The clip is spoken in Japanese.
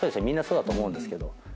みんなそうだと思うんですけど。